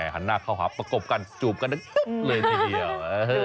หันหน้าเข้าหาประกบกันจูบกันได้เลยทีเดียว